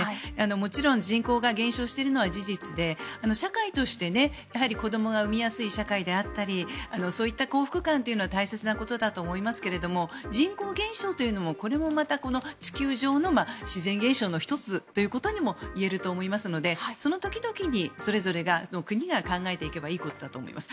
もちろん人口が減少しているのは事実で、社会として子どもが生みやすい社会であったりそういった幸福感は大切だと思いますが人口減少というのも、これもまた地球上の自然現象の１つとも言えると思いますのでその時々にそれぞれの国が考えていけばいいことだと思います。